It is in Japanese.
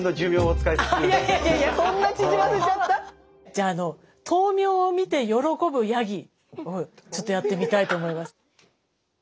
じゃああの豆苗を見て喜ぶヤギをちょっとやってみたいと思います。